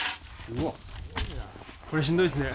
これ、しんどいですね。